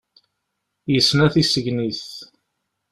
Yesna tisegnit